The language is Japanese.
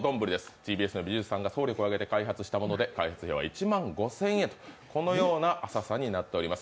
ＴＢＳの美術さんが総力を上げて開発したもので、開発費は１万５０００円、このような浅さになっております。